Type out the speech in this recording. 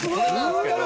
分かる！